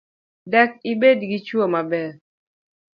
Dak ibed dichuo maber?